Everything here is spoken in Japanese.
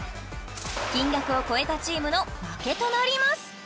金額を超えたチームの負けとなります